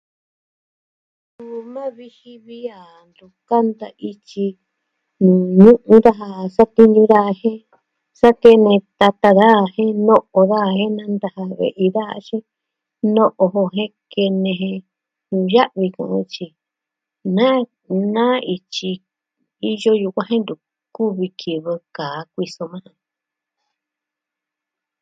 Suu ma viji vi a tun kanta ityi. Nu'u daja satiñu daja jen, sa kene tata daja jin no'o daa jen nata daa ve'i daa. No'o jo jen kene je ntu ya'vi ko'o tyi na, na ityi. iyo yukuan jen ntu kuvi kivɨ kaa kuiso majan.